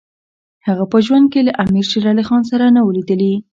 هغه په ژوند کې له امیر شېر علي خان سره نه وو لیدلي.